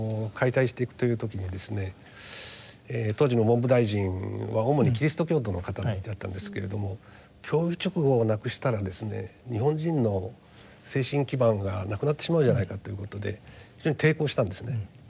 当時の文部大臣は主にキリスト教徒の方たちだったんですけれども教育勅語をなくしたら日本人の精神基盤が無くなってしまうじゃないかということで非常に抵抗したんですね。